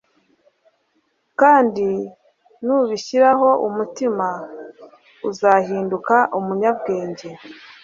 kandi nubishyiraho umutima, uzahinduka umunyabwenge